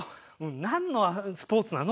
なんのスポーツなの？